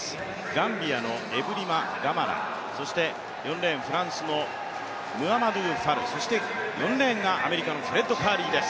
ガンビアのエブリマ・カマラ４レーン、フランスのムアマドゥ・ファルそして４レーンがアメリカのフレッド・カーリーです。